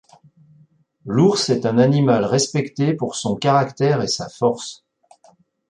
L'ours est un animal respecté pour son caractère et sa force.